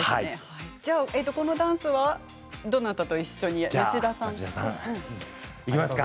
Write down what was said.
このダンスはどなたと一緒にやりますか。